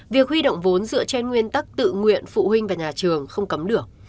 việc huy động vốn dựa trên nguyên tắc tự nguyện phụ huynh và nhà trường không cấm được